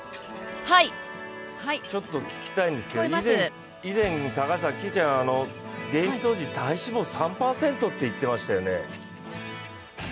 ちょっと聞きたいんですけど以前、Ｑちゃんは現役当時、体脂肪３％って言っていましたよね。